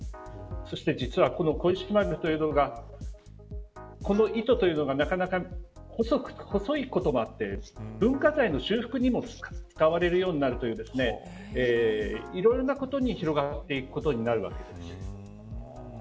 そして実はこの小石丸というのがこの糸というのが細いこともあって文化財の修復にも使われるようになるといういろいろなことに広がっていくことになるわけです。